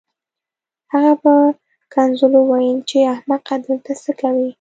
هغه په کنځلو وویل چې احمقه دلته څه کوې